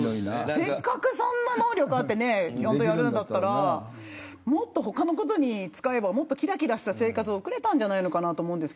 せっかく、そんな能力あってやるんだったらもっと他のことに使えばもっときらきらした生活を送れたんじゃないかと思います。